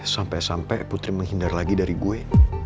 sampai sampai putri menghindar lagi dari gue